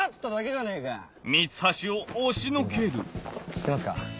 知ってますか？